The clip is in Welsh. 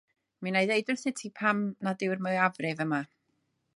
Mi wna i ddweud wrthyt ti pam nad yw'r mwyafrif yma.